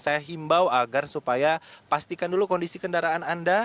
saya himbau agar supaya pastikan dulu kondisi kendaraan anda